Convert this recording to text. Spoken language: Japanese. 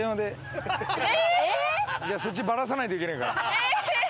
そっちばらさないといけねえから。